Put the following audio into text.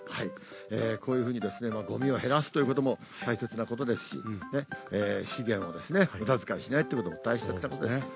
こういうふうにゴミを減らすということも大切なことですし資源を無駄遣いしないってことも大切なことです。